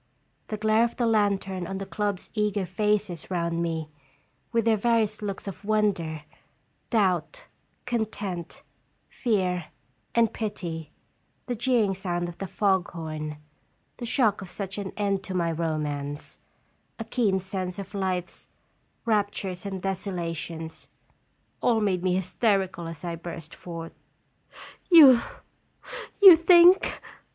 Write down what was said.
The glare of the lantern on the club's eager faces round me, with their various looks of wonder, doubt, content, fear, and pity; the jeering sound of the fog horn; the shock of such an end to my romance ; a keen sense of life's "raptures and desolations," all made me hysterical, as I burst forth : "You you think